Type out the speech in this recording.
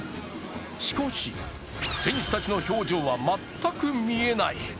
しかし選手たちの表情は全く見えない。